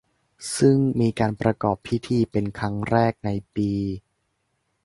ซึ่งมีการประกอบพิธีเป็นครั้งแรกในปี